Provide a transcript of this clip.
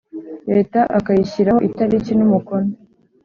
Leta akayishyiraho itariki n umukono